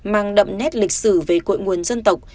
mang đậm nét lịch sử về cội nguồn dân tộc